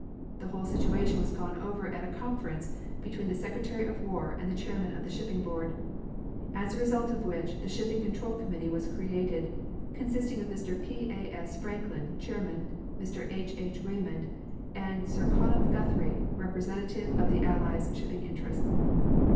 The whole situation was gone over at a conference between the Secretary of War and the chairman of the Shipping Board, as a result of which the Shipping Control Committee was created, consisting of Mr. P. A. S. Franklin, chairman; Mr. H. H. Raymond; and Sir Connop Guthrie, representative of the Allies' shipping interests.